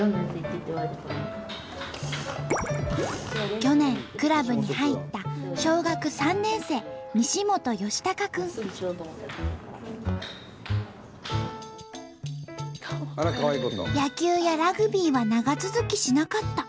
去年クラブに入った小学３年生野球やラグビーは長続きしなかった。